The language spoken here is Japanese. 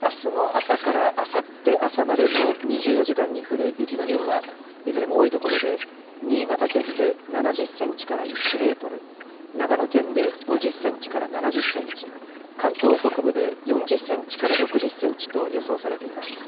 あすの朝からあさって朝までの２４時間に降る雪の量は、いずれも多い所で新潟県で７０センチから１メートル、長野県で５０センチから７０センチ、関東北部で４０センチから６０センチと予想されています。